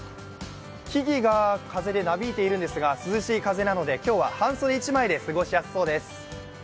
木々が風でなびいているんですが今日は半袖一枚で過ごしやすそうです。